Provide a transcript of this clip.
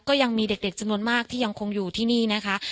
ก็ยังมีเด็กจำนวนมากที่ยังคงอยู่ที่นี่นะคะ